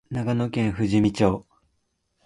長野県富士見町